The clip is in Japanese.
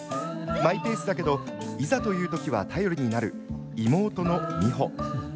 マイペースだけどいざというときは頼りになる妹のミホ。